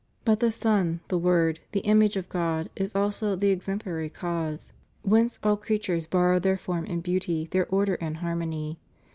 But the Son, the Word, the Image of God, is also the exemplary cause, whence all creatures borrow their form and beauty, their order and harmony.